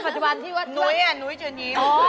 อ๋อปัจจุบันที่ว่าหนุ๊ยหนุ๊ยเจ๋านยี้ม